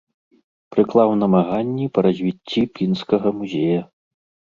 Прыклаў намаганні па развіцці пінскага музея.